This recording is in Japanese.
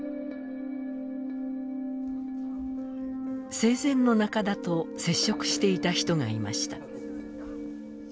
生前の中田と接触していた人がいました。